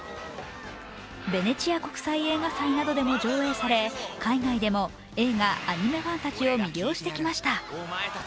ベネチア国際映画祭などでも上映され、海外でも映画・アニメファンたちを魅了してきました。